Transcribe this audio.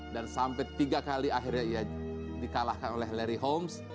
dan sampai tiga kali akhirnya ia dikalahkan oleh larry holmes